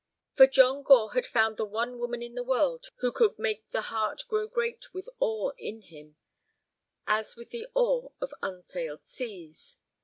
For John Gore had found the one woman in the world who could make the heart grow great with awe in him—as with the awe of unsailed seas.